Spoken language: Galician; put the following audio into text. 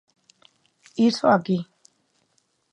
Iso aquí.